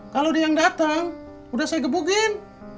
kalau ada yang datang udah saya gebukin